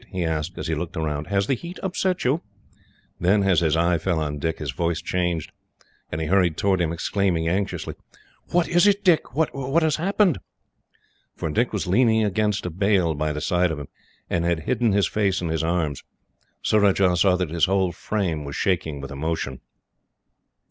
he asked, as he looked round. "Has the heat upset you?" Then, as his eye fell on Dick, his voice changed, and he hurried towards him, exclaiming anxiously: "What is it, Dick? What has happened?" For Dick was leaning against a bale by the side of him, and had hidden his face in his arms. Surajah saw that his whole frame was shaking with emotion.